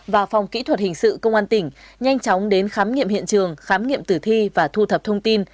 và phòng kỹ thuật hình sự công an tỉnh nhanh chóng đến khám nghiệm hiện trường khám nghiệm tử thi và thu thập thông tin